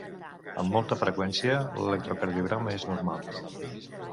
Amb molta freqüència l'electrocardiograma és normal.